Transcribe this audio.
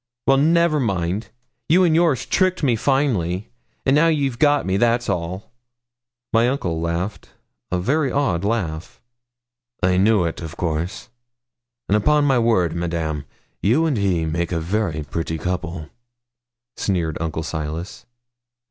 'Well, never mind. You and yours tricked me finely; and now you've got me that's all.' My uncle laughed a very odd laugh. 'I knew it, of course; and upon my word, madame, you and he make a very pretty couple,' sneered Uncle Silas.